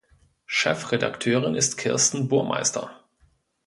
Chefredakteurin ist Kirsten Burmeister.